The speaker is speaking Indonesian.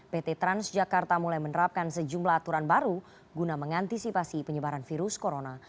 pt transjakarta mulai menerapkan sejumlah aturan baru guna mengantisipasi penyebaran virus corona